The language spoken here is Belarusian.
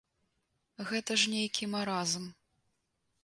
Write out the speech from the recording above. Гэта ж нейкі маразм.